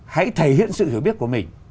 hãy thể hiện sự hiểu biết của mình